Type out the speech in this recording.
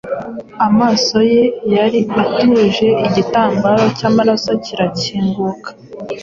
Amaso ye yari atuje; igitambaro cyamaraso kirakinguka,